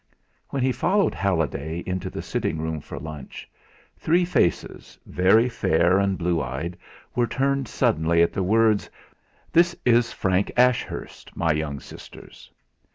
When he followed Halliday into the sitting room for lunch, three faces, very fair and blue eyed, were turned suddenly at the words: "This is Frank Ashurst my young sisters."